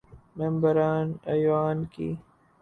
ممبران ایوان کی